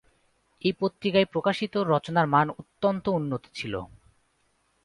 এই পত্রিকায় প্রকাশিত রচনার মান অত্যন্ত উন্নত ছিল।